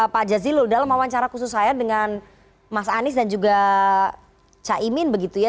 pak jazilul dalam wawancara khusus saya dengan mas anies dan juga caimin begitu ya